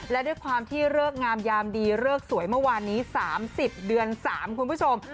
และด้วยความที่เลิกงามยามดีเลิกสวยเมื่อวานนี้๓๐เดือน๓คุณผู้ชม